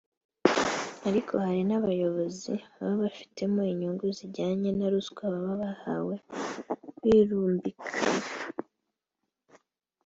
ariko hari n’abayobozi babifitemo inyungu zijyanye na ruswa baba bahawe birumbikana